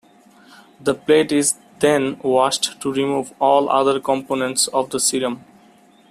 The plate is then washed to remove all other components of the serum.